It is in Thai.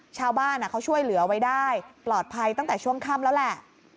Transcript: ชาวบ้านเขาช่วยเหลือไว้ได้ปลอดภัยตั้งแต่ช่วงค่ำแล้วแหละ